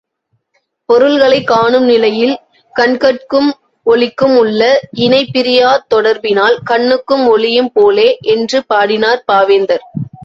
பொருள்களைக் காணும் நிலையில் கண்கட்கும் ஒளிக்கும் உள்ள இணைபிரியாத் தொடர்பினால், கண்ணும் ஒளியும் போலே என்று பாடினார் பாவேந்தர்.